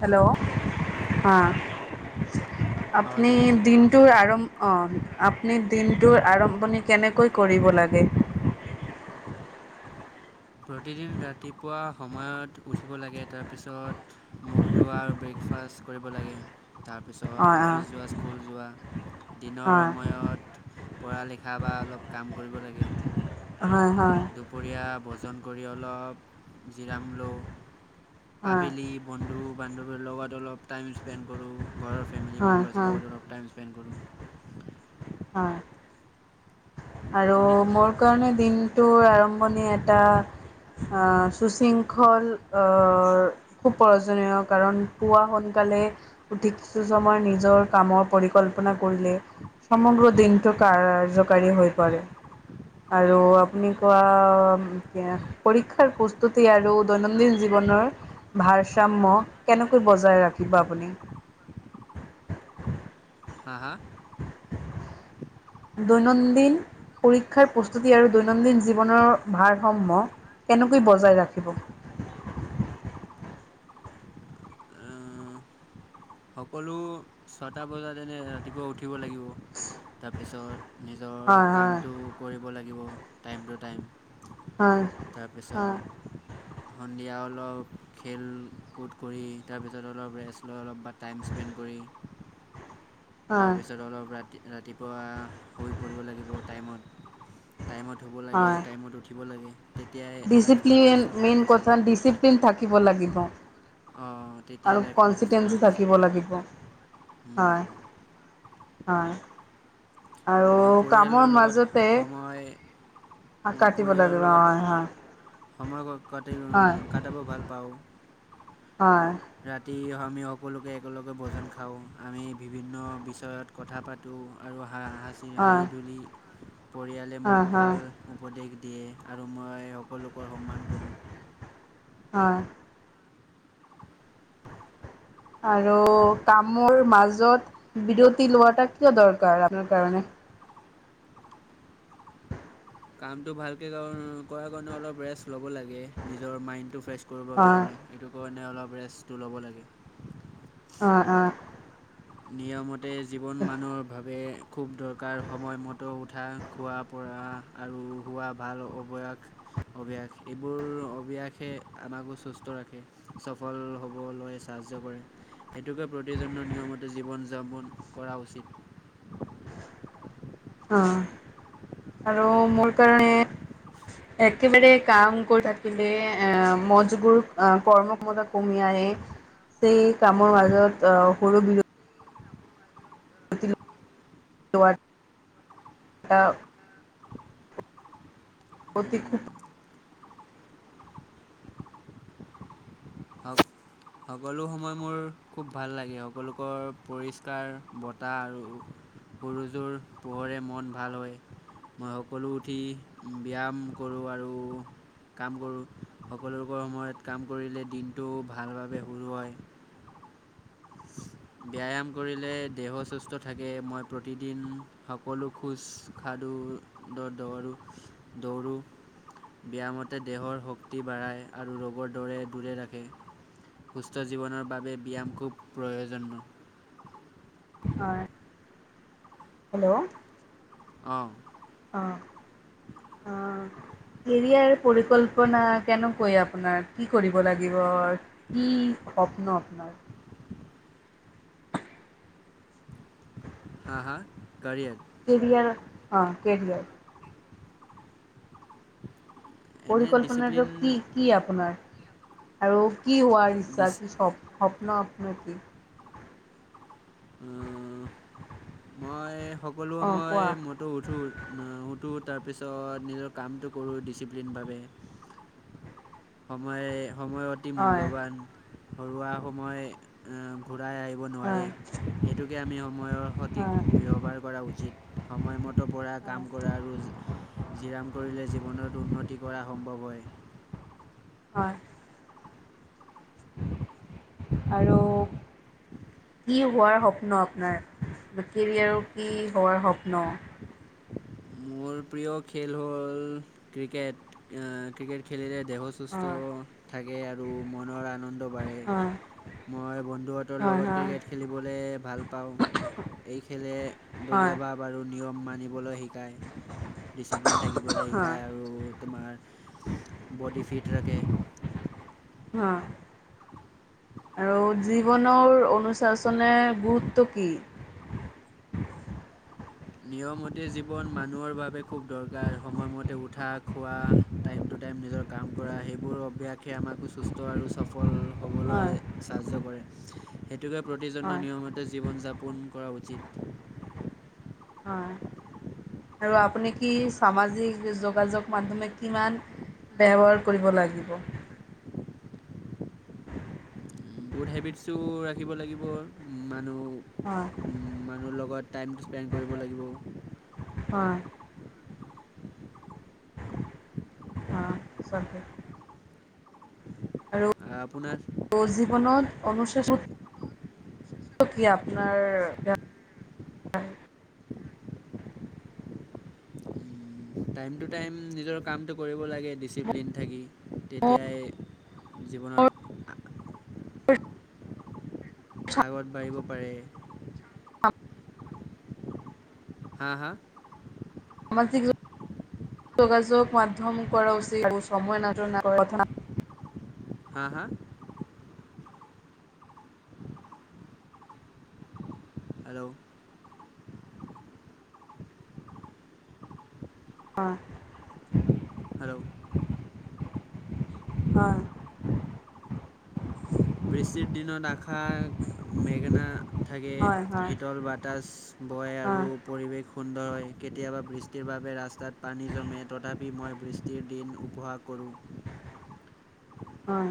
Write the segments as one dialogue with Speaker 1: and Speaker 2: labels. Speaker 1: Hello! হ
Speaker 2: আৱাজ
Speaker 1: আপনি
Speaker 2: আহি আছে
Speaker 1: দিন টোৰ আৰম্ভ অ, আপুনি দিনটোৰ আৰম্ভণি কেনেকৈ কৰিব লাগে?
Speaker 2: প্ৰতিদিন ৰাতিপুৱা সময়ত উঠিব লাগে তাৰপিছত মুখ ধুৱা আৰু ব্ৰেকফাষ্ট কৰিব লাগে।
Speaker 1: অঁ
Speaker 2: তাৰপিছত অফিচ
Speaker 1: অঁ
Speaker 2: যোৱা, স্কুল যোৱা, দিনৰ
Speaker 1: অঁ
Speaker 2: সময়ত পঢ়া লিখা বা অলপ কাম কৰিব লাগে।
Speaker 1: হয় হয়।
Speaker 2: দুপৰীয়া ভোজন কৰি অলপ জিৰাম লওঁ,
Speaker 1: হয়
Speaker 2: আবেলি বন্ধু বান্ধৱীৰ লগত অলপ টাইম স্পেণ্ড কৰোঁ। ঘৰৰ
Speaker 1: হয়
Speaker 2: ফেমিলিমেম্বাৰ্চ
Speaker 1: হয়
Speaker 2: লগত টাইম স্পেণ্ড কৰোঁ।
Speaker 1: হয় আৰু
Speaker 2: আপুনি
Speaker 1: মোৰ কাৰণে দিনটোৰ আৰম্ভণি এটা আ শুশৃংখল অ খুব প্ৰয়োজনীয় কাৰণ পুৱা সোনকালে উঠিক কিছু সময় নিজৰ কামৰ পৰিকল্পনা কৰিলে। সমগ্ৰ দিনটো কাৰ্যকাৰী হৈ পৰে। আৰু আপুনি কোৱা পৰীক্ষাৰ প্ৰস্তুতি আৰু দৈনন্দিন জীৱনৰ ভাৰসাম্য কেনেকৈ বজাই ৰাখিব আপুনি?
Speaker 2: হা হা?
Speaker 1: দৈনন্দিন পৰীক্ষাৰ প্ৰস্তুতি আৰু দৈনন্দিন জীৱনৰ ভাৰসাম্য কেনেকৈ বজাই ৰাখিব?
Speaker 2: হা সকলো ছটা বজাত এনে ৰাতিপুৱা উঠিব লাগিব
Speaker 1: [inaudible]
Speaker 2: পিছত নিজৰ
Speaker 1: হয়, হয়,
Speaker 2: কামটো কৰিব লাগিব টাইম টু টাইম।
Speaker 1: হয়, হয়,
Speaker 2: তাৰপিছত সন্ধিয়া অলপ খেল-কট কৰি তাৰপিছত অলপ ৰেষ্ট লৈ অলপ বাট টাইম স্পেণ্ড কৰি।
Speaker 1: হয়,
Speaker 2: তাৰপিছত অলপ ৰাতি-ৰাতিপুৱা শুই পৰিব লাগিব টাইমত। টাইমত শুব লাগে,
Speaker 1: হয়।
Speaker 2: টাইমত উঠিব লাগে। তেতিয়াই লাইফ
Speaker 1: ডিচিপ্লিন
Speaker 2: প্ৰচেছটো
Speaker 1: মেইন
Speaker 2: ভালকৈ
Speaker 1: কথা
Speaker 2: চলে
Speaker 1: ডিচিপ্লিন থাকিব লাগিব।
Speaker 2: অ
Speaker 1: আৰু
Speaker 2: তেতিয়াই লাইফ প্ৰচেছটো
Speaker 1: কনচিটেঞ্চি
Speaker 2: ভালকে
Speaker 1: থাকিব
Speaker 2: চলে।
Speaker 1: লাগিব। হয়,
Speaker 2: মই
Speaker 1: হয়। আৰু
Speaker 2: মই
Speaker 1: কামৰ
Speaker 2: পৰিয়ালৰ লগত
Speaker 1: মাজতে
Speaker 2: সময়। মই
Speaker 1: কাটিব
Speaker 2: পৰিয়ালৰ
Speaker 1: লাগিব হয়, হয়,
Speaker 2: লগত সময়
Speaker 1: হয়।
Speaker 2: ক কটাব ভাল পাওঁ।
Speaker 1: হয়।
Speaker 2: ৰাতি আমি সকলোকে একেলগে ভজন খাওঁ আমি বিভিন্ন বিষয়ত। কথা পাতোঁ আৰু হাঁ হাঁচি
Speaker 1: হয়,
Speaker 2: হাঁহি ধূলি পৰিয়ালে
Speaker 1: হয়,
Speaker 2: মোক
Speaker 1: হয়,
Speaker 2: ভাল। উপদেশ দিয়ে আৰু মই সকলোকৰ সন্মান কৰোঁ।
Speaker 1: হয়। আৰু কামৰ মাজত বিৰতি লোৱাটা কিয় দৰকাৰ আপোনা লোকৰ কাৰণে।
Speaker 2: কামটো ভালকে কৰাৰ কানণে অলপ ৰেষ্ট লব লাগে নিজৰ মাইনটো‌ ফ্ৰেজ। কৰিবৰ
Speaker 1: হয়,
Speaker 2: কাৰণে সেইটো কাৰণে অলপ ৰেষ্টটো ল'ব লাগে।
Speaker 1: অ অ।
Speaker 2: নিয়ম মতে জীৱন মানুহৰ ভাবে। খুব দৰকাৰ সময়মতে উঠা খোৱা পৰা আৰু হোৱা ভাল অৱয়াস। অভ্যাস সেইবোৰ অভ্যাসে আমাকো সুস্থ ৰাখে। সফল হ'বলৈ সাহায্য কৰে সেইটোকে প্ৰতিজনৰ নিয়মত। জীৱন যাপন কৰা উচিত।
Speaker 1: অ আৰু মোৰ কাৰণে। একেবাৰে কাম কৰি থাকিলে আহ মগজবোৰ কৰ্মক মজত। কমি আহে সেই কামৰ মাজত আহ সৰু বিৰটি। এটা। অতি খু
Speaker 2: সকলো সময় মোৰ খুব ভাল লাগে সকলোকৰ পৰিষ্কাৰ বতাহ আৰু সৰুযোৰ পোহৰে মন ভাল হয়। মই সকলো উঠি ব্যায়াম কৰোঁ আৰু। কাম কৰোঁ সকলোবোৰ সময়ত কাম কৰিলে দিনটো ভালভাৱে সুৰ হয়। হয়। ব্যায়াম কৰিলে দেহ সুস্থ থাকে মই প্ৰতিদিন সকলো খোজ সাদু। দ দৌৰোঁ দৌৰোঁ। ব্যায়ামতে দেহৰ শক্তি বাঢ়ায় আৰু ৰোগৰ দৰে দূৰে ৰাখে। সুস্থ জীৱনৰ বাবে খুব ব্যয়াম খুব প্ৰয়োজনীয়।
Speaker 1: হয় হেল্লো'।
Speaker 2: অ।
Speaker 1: অহ অ। অ কেৰিয়াৰ পৰিকল্পনা কেনেকৈ আপোনাৰ। কি কৰিব লাগিব কি সপ্ন আপোনাৰ।
Speaker 2: হা হা কাৰিয়াৰ।
Speaker 1: কেৰিয়াৰ অ কেৰিয়াৰ।
Speaker 2: এনে
Speaker 1: পৰিকল্পনাটো
Speaker 2: ডিচিপ্লিন
Speaker 1: কি কি আপ আপোনাৰ আৰু কি হোৱাৰ
Speaker 2: ডিচ
Speaker 1: ইচ্ছা কি স্বপ্ন আপোনাৰ কি।
Speaker 2: মই সকলো
Speaker 1: অঁ
Speaker 2: সময়
Speaker 1: কোৱা
Speaker 2: ম‌ইটো উঠো। উঠো তাৰপিছত নিজৰ কামটো কৰোঁ ডিচিপ্লিন বাবে। সময়ে সময় অতি
Speaker 1: হয়
Speaker 2: মূল্যৱান ঘৰুৱা সময় ঘূৰাই আহ। দিব নোৱাৰে
Speaker 1: হয়
Speaker 2: সেইটোকে আমি সময়ৰ সঠিক
Speaker 1: হয়
Speaker 2: ব্যৱহাৰ কৰা উচিত। সময়মতে পৰা কাম
Speaker 1: হয়
Speaker 2: কৰা আৰু। জিৰাম কৰিলে জীৱনত উন্নতি কৰা সম্ভৱ হব‌ই।
Speaker 1: হয়। আৰু। কি হোৱাৰ স্বপ্ন আপোনাৰ কেৰিয়াৰো কি হোৱাৰ স্বপ্ন।
Speaker 2: মোৰ প্ৰিয় খেল হ'ল ক্ৰিকেট ক্ৰিকেট খেলিলে দেহ। সুস্থ থাকে আৰু মনৰ আনন্দ
Speaker 1: হয়
Speaker 2: বাঢ়ে। মই বন্ধুঁতৰ লগত
Speaker 1: হয়
Speaker 2: ক্ৰিকেট খেলিবলৈ ভাল পাওঁ। এই খেলে দলীয়
Speaker 1: হয়
Speaker 2: ভাৱ আৰু নিয়ম মানিবলৈ শিক। শিকায় ডিচিপ্লিন থাকিবলৈ
Speaker 1: হয়
Speaker 2: শিকায় আৰু তোমাৰ। ব'ডি ফিট ৰাখে।
Speaker 1: অ। জীৱনৰ অনুশাসনেৰ গুৰুত্ব কি।
Speaker 2: নিয়মতি জীৱন মানুহৰ বাবে খুব দৰকাৰ সময়মতে উঠা খোৱা। টাইম টু টাইম নিজৰ কাম কৰা সেইবোৰ অভ্যাসে আমাকো সুস্থ আৰু সফল হ'বলৈ।
Speaker 1: হয়,
Speaker 2: সাহ্য কৰে সেইটোকে প্ৰতিজনৰ
Speaker 1: হয়।
Speaker 2: নিয়ম মতে জীৱন যাপন কৰা উচিত।
Speaker 1: হয়। আৰু আপুনি কি সামাজিক যোগাযোগ মাধ্যমে কিমান। ব্যৱহাৰ কৰিব লাগিব।
Speaker 2: গুড হেবিটছো ৰাখিব লাগিব
Speaker 1: হয়,
Speaker 2: মানুহ মানুহৰ লগত। টাইমটো স্পেণ্ড কৰিব লাগিব।
Speaker 1: হয়। চাক। আৰু।
Speaker 2: আহ আপোনাৰ।
Speaker 1: মোৰ জীৱনত অনুশাসন কি আপোনাৰ।
Speaker 2: টাইম টু টাইম নিজৰ কামটো কৰিব লাগে ডিচিপ্লিন থাকি।
Speaker 1: মোৰ
Speaker 2: তেতিয়াই জীৱনত আ। আগত বাঢ়িব পাৰে। হা হা।
Speaker 1: সামাজিক যোগাযোগ মাধ্যম কৰা উচিত সময় নাটনি কথা।
Speaker 2: হা হা। হেল্ল'।
Speaker 1: অ।
Speaker 2: হেল্ল'।
Speaker 1: অ।
Speaker 2: বৃষ্টিৰ দিনত আশা মেঘনা। থাকে
Speaker 1: হয়, হয়,
Speaker 2: শীতল বাতাচ বয় আৰু।
Speaker 1: হয়,
Speaker 2: পৰিৱেশ সুন্দৰ হয় কেতিয়াবা বৃষ্টিৰ বাবে ৰাস্তাত পানী জমে তথাপি মই বৃষ্টি। প্ৰতি দিন উপহাস কৰোঁ।
Speaker 1: হয়।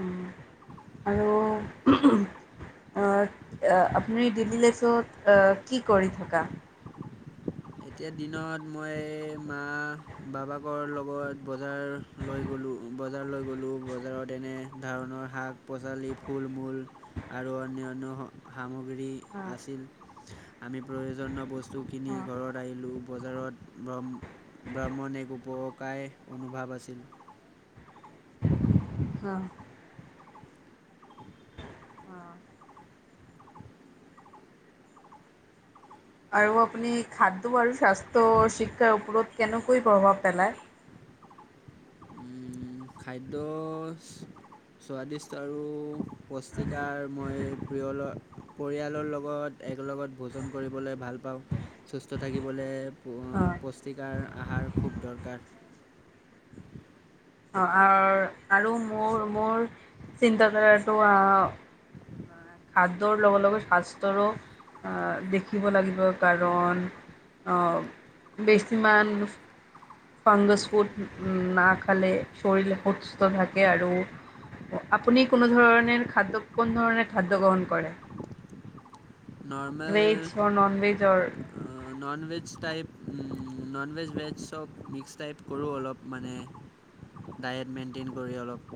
Speaker 1: উ আৰু হো হু। ঘৰত আপুনি ডেইলী লাইফত কি কৰি থকা।
Speaker 2: এতিয়া দিনত মই মা বাবাকৰ লগত বজাৰ লৈ গলো বজাৰ লৈ গলো বজাৰত এনে ধৰণৰ শাক পাচলি ফুল মূল আৰু অন্যান্য সামগ্ৰী
Speaker 1: অ
Speaker 2: আছিল আমি প্ৰয়োজনীয় বস্তু কিনি ঘৰত আহিলো বজাৰত ব্ৰ ব্ৰাহ্মণ এক উপকাৰাই অনুভৱ আছিল
Speaker 1: অ
Speaker 2: [unintelligible]
Speaker 1: আৰু আপুনি খাদ্য আৰু স্বাস্থ্য শিক্ষাৰ ওপৰত কেনেকৈ প্ৰভাৱ পেলায়
Speaker 2: উম খাদ্য স্বাদদিষ্ট আৰু পুষ্টিকাৰ মই প্ৰিয় পৰিয়ালৰ লগত একেলগত ভোজন কৰিবলৈ ভাল পাও। সুস্থ থাকিবলৈ অ পুষ্টিকাৰ আহাৰ খুব দৰকাৰ।
Speaker 1: অহাৰ আৰু মোৰ মোৰ চিন্তাধাৰাতো অ হাড্ৰৰ লগে লগে ভাস্তৰো দেখিব লাগিব কাৰণ অ বেছিমান ফাংগাছ ফুড নাখালে শৰীৰ সুস্থ থাকে আৰু আপুনি কোনো ধৰণে খাদ্য কোনো ধৰণৰ খাদ্য গ্ৰহণ কৰে?
Speaker 2: নৰ্মেল
Speaker 1: ভেজ অৰ নন ভেজৰ
Speaker 2: অ ননভেজ টাইপ উ ননভেজ ভেজ চব মিক্স টাইপ কৰো অলপ মানে ডায়েট মেইনটেইন কৰি অলপ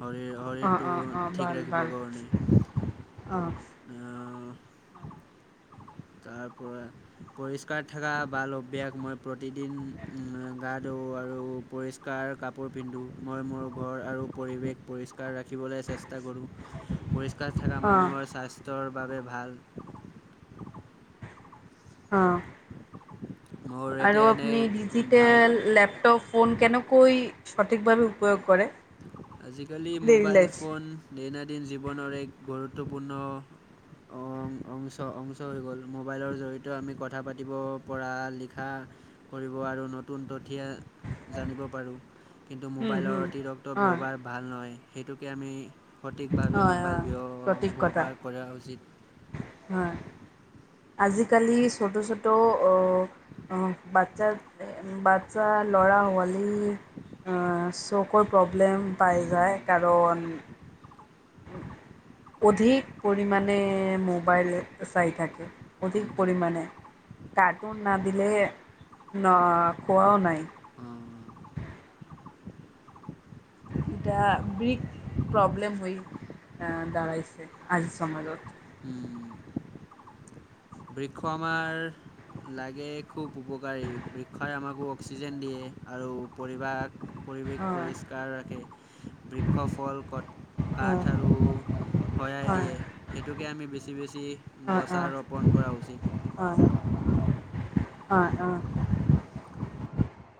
Speaker 2: শৰীৰ
Speaker 1: অঁ
Speaker 2: শৰীৰটো ঠিক ৰাখিব কাৰণে
Speaker 1: অ
Speaker 2: তাৰপৰা পৰিষ্কাৰ থাকা বাল অভ্যাস মই প্ৰতিদিন গা ধোও আৰু পৰিষ্কাৰ কাপোৰ পিন্ধো মই মোৰ ঘৰ আৰু পৰিৱেশ পৰি ষ্কাৰ ৰাখিবলৈ চেষ্টা কৰো পৰিষ্কাৰ থকা
Speaker 1: অঁ
Speaker 2: মানুহৰ স্বাস্থ্যৰ বাবে ভাল।
Speaker 1: অ
Speaker 2: মোৰ
Speaker 1: আৰু
Speaker 2: এতিয়া এনে
Speaker 1: আপনি
Speaker 2: ভাল
Speaker 1: ডিজিটেল লেপটপ ফোন কেনেকৈ সঠিকভাৱে উপয়োগ কৰে
Speaker 2: আজিকালি
Speaker 1: ডেইলী
Speaker 2: মোবাইল
Speaker 1: লাইফ
Speaker 2: ফোন দৈনন্দিন জীৱনৰ এক গুৰুত্বপূৰ্ণ অ অংচ অংচ হৈ গ'ল মোবাইলৰ জৰিয়তে আমি কথা পাতিব পৰা লিখা কৰিব আৰু নতুন তথীয়া জানিব পাৰো কিন্তু
Speaker 1: হুম
Speaker 2: মোবাইলৰ
Speaker 1: হুম
Speaker 2: অতিৰিক্ত
Speaker 1: হয়
Speaker 2: ব্যৱহাৰ ভাল নহয় সেইটোকে আমি সঠিকভাৱে
Speaker 1: হয়
Speaker 2: মোবাইল
Speaker 1: হয়
Speaker 2: ব্য
Speaker 1: সঠিক কথা
Speaker 2: ব্যৱহাৰ কৰা উচিত
Speaker 1: হয় আজিকালি ফটো ছটো অ অ বাদচা বাদছা লৰা হোৱা উম অ চকুৰ প্ৰব্লেম পাই যায়
Speaker 2: উম,
Speaker 1: কাৰণ
Speaker 2: [unintelligible]
Speaker 1: অধিক পৰিমাণে মোবাইল চাই থাকে,
Speaker 2: উম,
Speaker 1: অধিক
Speaker 2: উম,
Speaker 1: পৰিমাণে কানুন না পিলে ন খোৱাও নাই
Speaker 2: অ',
Speaker 1: ইটাহ বিগ প্ৰব্লেম হৈ বাৰইছে আজিৰ সমাজত
Speaker 2: উম বৃক্ষ আমাৰ লাগে খুব উপকাৰী বৃক্ষই আমাক অক্সিজেন দিয়ে আৰু পৰিবাক পৰিৱেশ
Speaker 1: অঁ
Speaker 2: পৰিষ্কাৰ ৰাখে বৃক্ষ ফল কত
Speaker 1: অঁ
Speaker 2: কাঠ আৰু শৰাই
Speaker 1: অঁ
Speaker 2: দিয়ে সেইটোকে আমি বেছি বেছি গছ আৰু পণ কৰা উচিত
Speaker 1: হয় হয়